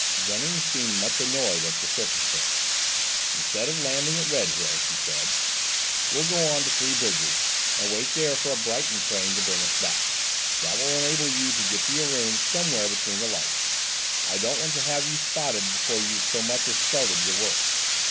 Gunning seemed much annoyed at the circumstance. "Instead of landing at Redhill," he said, "we'll go on to Three Bridges and wait there for a Brighton train to bring us back, that will enable you to get to your room somewhere between the lights; I don't want to have you spotted before you've so much as started your work."